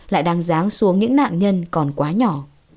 lại đang dáng xuống những nạn nhân còn quá nhỏ